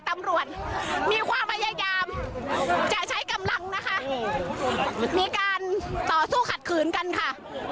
ตำรวจมีความพยายามจะใช้กำลังนะคะมีการต่อสู้ขัดขืนกันค่ะ